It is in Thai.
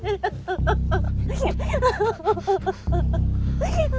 พี่